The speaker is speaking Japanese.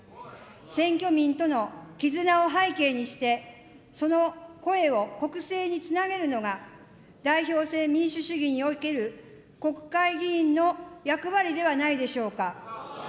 選挙民との絆を背景にして、その声を国政につなげるのが、代表制民主主義における国会議員の役割ではないでしょうか。